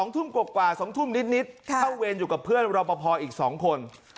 ๒ทุ่มกว่า๒ทุ่มนิดเข้าเวรอยู่กับเพื่อนรอปภอีก๒คน